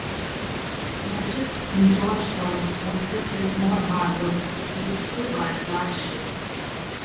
Merchants in Georgetown wanted their small harbor to be reachable by large ships.